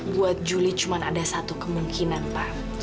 buat juli cuma ada satu kemungkinan pak